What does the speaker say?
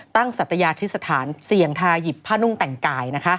ตั้งศัตรยาทฤษฐานเสี่ยงทายหยิบผ้านุ่งแต่งไก่